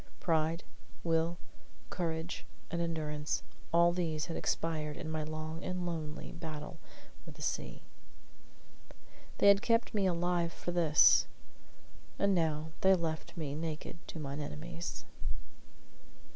Pride, will, courage, and endurance, all these had expired in my long and lonely battle with the sea. They had kept me alive for this. And now they left me naked to mine enemies.